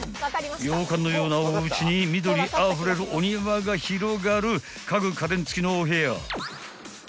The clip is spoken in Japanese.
［洋館のようなおうちに緑あふれるお庭が広がる家具家電付きのお部屋］